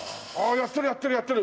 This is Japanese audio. やってるやってるやってる！